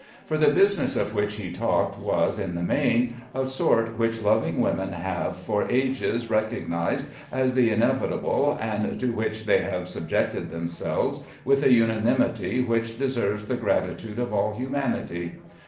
For the business of which he talked was, in the main, a sort which loving women have for ages recognized as the inevitable, and to which they have subjected themselves with a unanimity which deserves the gratitude of all humanity.